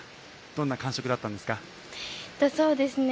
どんな感触だったんですか？